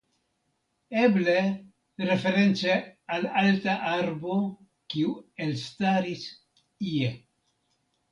Eble reference al alta arbo kiu elstaris ie.